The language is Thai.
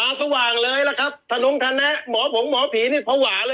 ตาสว่างเลยล่ะครับทะนุงทะแนะหมอผงหมอผีนี่พระหว่าเลย